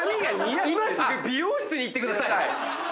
今すぐ美容室に行ってください。